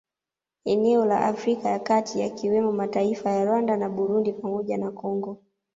Eneo la Afrika ya kati yakiwemo mataifa ya Rwanda na Burundi pamoja na Congo